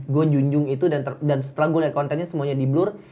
gue junjung itu dan setelah gue lihat kontennya semuanya di blur